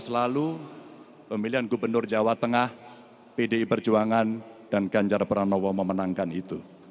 dua ribu pemilihan gubernur jawa tengah pdi perjuangan dan ganjar pranowo memenangkan itu